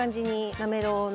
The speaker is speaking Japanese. なめろうだ。